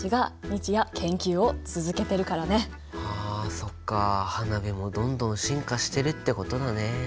そっか花火もどんどん進化してるってことだね。